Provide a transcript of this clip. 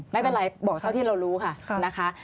ไม่เป็นไรบอกเท่าที่เรารู้ค่ะนะคะ